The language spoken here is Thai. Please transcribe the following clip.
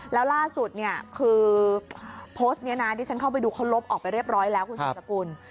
แล้วล่าสุดเนี่ยคือโพสต์นี้นะที่ฉันเข้าไปดูเขาลบออกไปเรียบร้อยแล้วคุณสุดสกุล